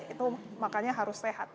itu makanya harus sehat